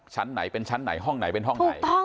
ชั้นไหนเป็นชั้นไหนห้องไหนเป็นห้องไหน